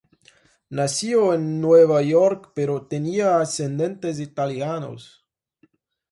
Nació en Nueva York pero tenía ascendentes italianos.